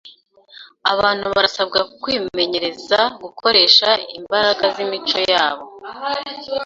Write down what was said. abantu barasabwa kwimenyereza gukoresha imbaraga z’imico yabo.